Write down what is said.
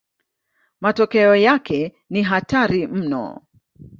Matokeo yake ni hatari mno.